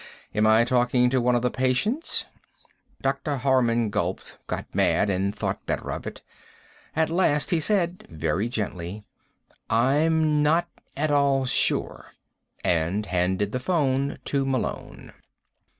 Am I talking to one of the patients?" Dr. Harman gulped, got mad, and thought better of it. At last he said, very gently: "I'm not at all sure," and handed the phone to Malone.